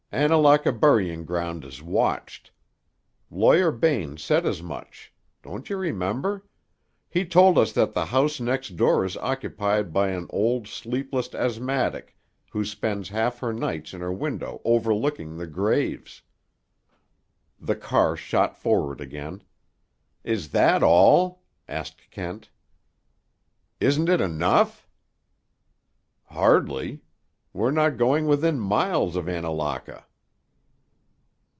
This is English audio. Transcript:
Annalaka burying ground is watched. Lawyer Bain said as much. Don't you remember? He told us that the house next door is occupied by an old sleepless asthmatic who spends half her nights in her window overlooking the graves." The car shot forward again. "Is that all?" asked Kent. "Isn't it enough?" "Hardly. We're not going within miles of Annalaka."